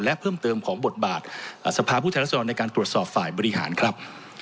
และเพิ่มเติมของบทบาทสภาพผู้แทนรัศดรในการตรวจสอบฝ่ายบริหารครับ